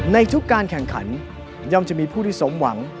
ในทุกการแข่งขันย่อมจะมีผู้ที่สมหวัง